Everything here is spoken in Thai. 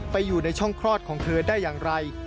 อยู่ในช่องคลอดของเธอได้อย่างไร